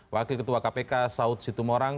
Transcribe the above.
wakil ketua kpk saud situmorang